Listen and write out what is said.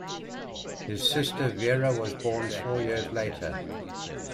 His sister, Vera, was born four years later.